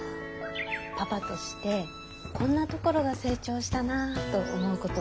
パパとしてこんなところが成長したなあと思うことは？